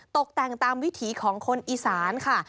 ตกแต่งตามวิถีของคนอีสานค่ะ